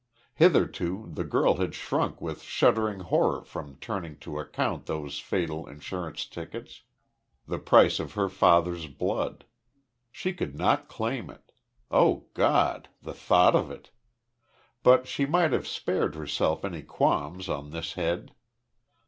Hitherto the girl had shrunk with shuddering horror from turning to account those fatal insurance tickets, the price of her father's blood. She could not claim it. Oh God! the thought of it? But she might have spared herself any qualms on this head.